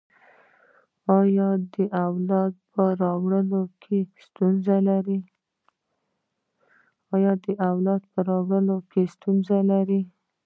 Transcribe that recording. ایا د اولاد په راوړلو کې ستونزه لرئ؟